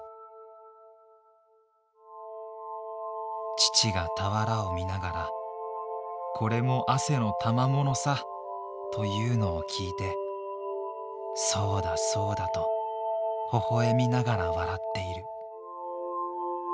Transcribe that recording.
「父が俵を見ながら『これも汗の玉物さ！』とゆうのを聞いて『そうだそうだ』とほほゑみながら笑って居る」。